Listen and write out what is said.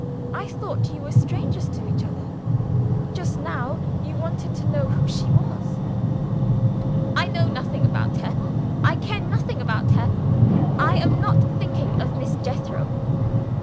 "I thought you were strangers to each other. Just now, you wanted to know who she was." "I know nothing about her. I care nothing about her. I am not thinking of Miss Jethro."